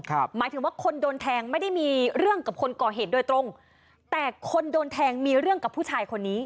หมายถึงว่าคนโดนแทงไม่ได้มีเรื่องกับคนก่อเหตุโดยตรงแต่คนโดนแทงมีเรื่องกับผู้ชายคนนี้